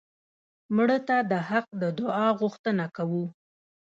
مړه ته د حق د دعا غوښتنه کوو